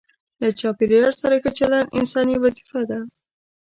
له چاپیریال سره ښه چلند انساني وظیفه ده.